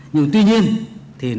nhưng tuy nhiên thì nó vẫn